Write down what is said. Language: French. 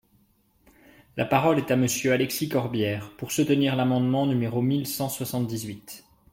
La parole est à Monsieur Alexis Corbière, pour soutenir l’amendement numéro mille cent soixante-dix-huit.